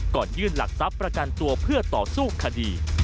ยื่นหลักทรัพย์ประกันตัวเพื่อต่อสู้คดี